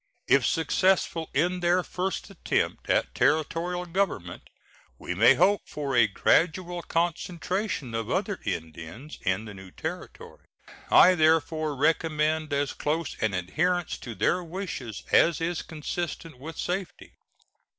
If successful in this their first attempt at Territorial government, we may hope for a gradual concentration of other Indians in the new Territory. I therefore recommend as close an adherence to their wishes as is consistent with safety.